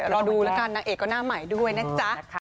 รอดูแล้วกันนางเอกก็หน้าใหม่ด้วยนะจ๊ะ